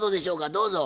どうぞ。